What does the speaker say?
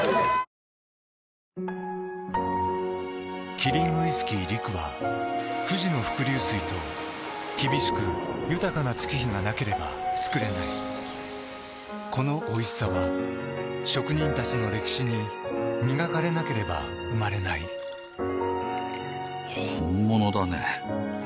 キリンウイスキー「陸」は富士の伏流水と厳しく豊かな月日がなければつくれないこのおいしさは職人たちの歴史に磨かれなければ生まれない本物だね。